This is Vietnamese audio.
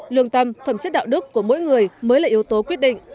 lương tâm phẩm chất đạo đức của mỗi người mới là yếu tố quyết định